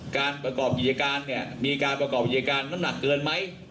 การประกอบพิจารณ์เนี้ยมีการประกอบพิจารณ์น้ำหนักเกินไหม